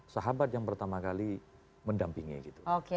sahabat yang pertama kali mendampingi gitu